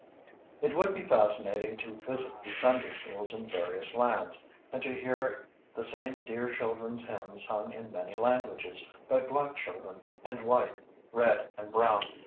] It would be fascinating to visit the Sunday Schools in various lands, and to hear the same dear children's hymns sung in many languages by black children and white, red, and brown.